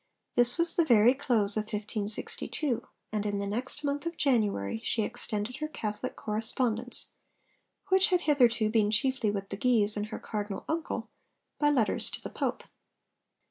This was the very close of 1562, and in the next month of January she extended her Catholic correspondence, which had hitherto been chiefly with the Guises and her Cardinal uncle, by letters to the Pope.